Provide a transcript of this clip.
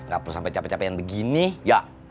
gak perlu sampai capek capek yang begini ya